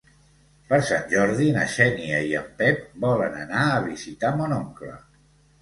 Per Sant Jordi na Xènia i en Pep volen anar a visitar mon oncle.